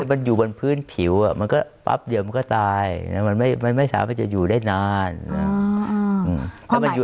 มันอยู่บนพื้นผิวมันก็แป๊บเดียวมันก็ตายมันไม่สามารถจะอยู่ได้นานนะ